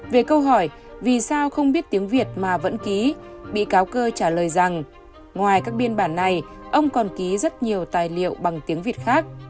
về câu hỏi vì sao không biết tiếng việt mà vẫn ký bị cáo cơ trả lời rằng ngoài các biên bản này ông còn ký rất nhiều tài liệu bằng tiếng việt khác